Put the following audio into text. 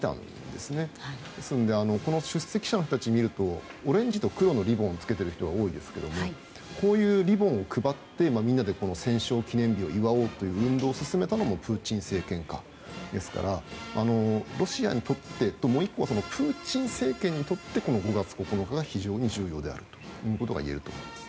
ですので、出席者の人たちを見るとオレンジと黒のリボンをつけている人が多いですけどこういうリボンを配ってみんなで戦勝記念日を祝おうという運動を進めたのもプーチン政権でしたからロシアにとって、あともう１個プーチン政権にとってこの５月９日が非常に重要であるということがいえると思います。